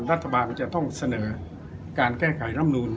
รัฐบาลจะต้องเสนอการแก้ไขรำนูน